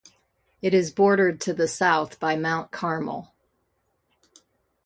It is bordered to the south by Mount Carmel.